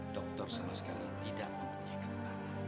dokter sama sekali tidak mempunyai kekurangan